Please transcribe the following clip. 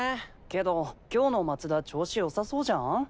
けど今日の松田調子良さそうじゃん？